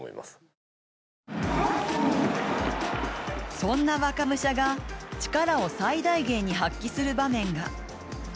そんな若武者が力を最大限に発揮する場面が。